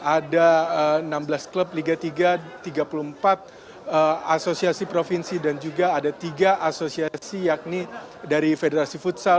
ada enam belas klub liga tiga puluh empat asosiasi provinsi dan juga ada tiga asosiasi yakni dari federasi futsal